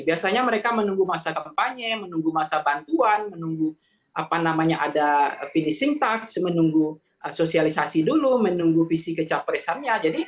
biasanya mereka menunggu masa kampanye menunggu masa bantuan menunggu finishing task menunggu sosialisasi dulu menunggu visi kecapresannya